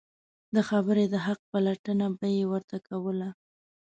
د خبرې د حق پلټنه به یې ورته کوله.